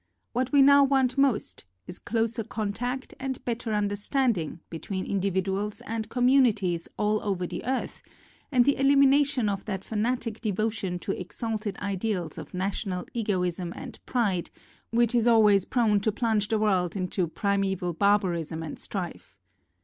What we now want most is closer contact and better understanding be tween individuals and communities all over the earth, and the elimination of that fa natic devotion to exalted ideals of national egoism and pride which is always prone to plunge the world into primeval barbarism and strife.